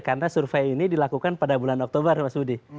karena survei ini dilakukan pada bulan oktober mas budi